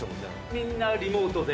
みんなリモートで。